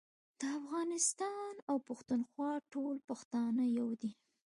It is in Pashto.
د افغانستان او پښتونخوا ټول پښتانه يو دي